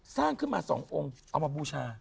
สร้างขึ้นมา๒องค์เอามาบูชา